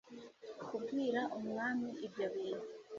kubwira umwami ibyo bintu